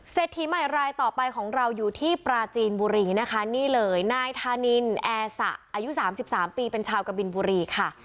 ถีใหม่รายต่อไปของเราอยู่ที่ปราจีนบุรีนะคะนี่เลยนายธานินแอร์สะอายุ๓๓ปีเป็นชาวกะบินบุรีค่ะ